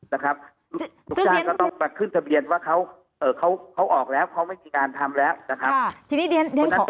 ลูกจ้างก็ต้องมาขึ้นทะเบียนว่าเขาออกแล้วเขาไม่มีการทำแล้วนะครับ